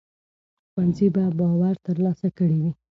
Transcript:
ښوونځي به باور ترلاسه کړی وي.